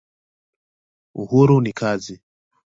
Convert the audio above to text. Uhuru ni kazi.